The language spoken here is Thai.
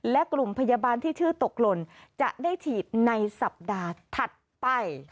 และกลุ่มพยาบาลที่ชื่อตกหล่นจะได้ฉีดในสัปดาห์ถัดไป